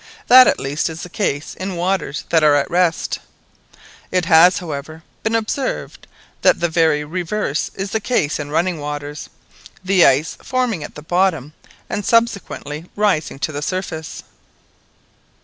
That at least is the case in waters that are at rest; it has, however, been observed that the very reverse is the case in running waters the ice forming at the bottom, and subsequently rising to the surface.